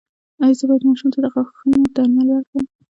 ایا زه باید ماشوم ته د غاښونو درمل ورکړم؟